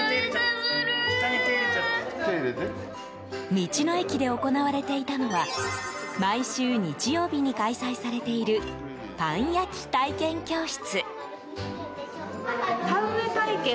道の駅で行われていたのは毎週日曜日に開催されているパン焼き体験教室。